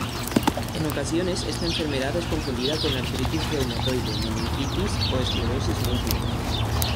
En ocasiones esta enfermedad es confundida con artritis reumatoide, meningitis o esclerosis múltiple.